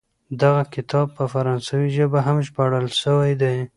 دغه کتاب په فرانسوي ژبه هم ژباړل سوی دی.